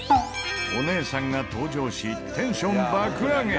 お姉さんが登場しテンション爆上げ！